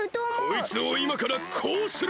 こいつをいまからこうする！